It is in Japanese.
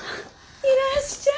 いらっしゃい。